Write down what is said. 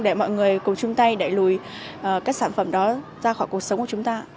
để mọi người cùng chung tay đẩy lùi các sản phẩm đó ra khỏi cuộc sống của chúng ta